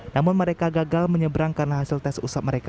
namun mereka gagal menyeberang karena hasil tes usap mereka